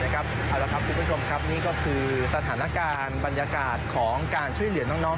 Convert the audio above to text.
เอาละครับคุณผู้ชมครับนี่ก็คือสถานการณ์บรรยากาศของการช่วยเหลือน้อง